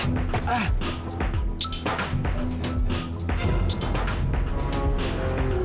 tapi kalau sampai kamu bocorin berita ini